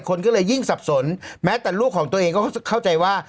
คนก็เลยยิ่งสับสนแม้แต่ลูกของตัวเองก็เข้าใจว่า